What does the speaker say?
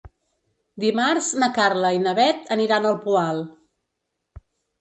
Dimarts na Carla i na Bet aniran al Poal.